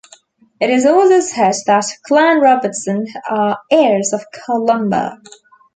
It is also said that Clan Robertson are heirs of Columba.